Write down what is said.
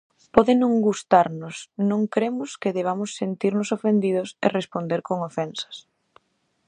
Pode non gustarnos non cremos que debamos sentirnos ofendidos e responder con ofensas.